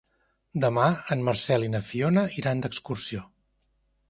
Demà en Marcel i na Fiona iran d'excursió.